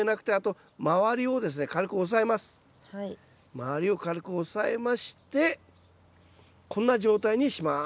周りを軽く押さえましてこんな状態にします。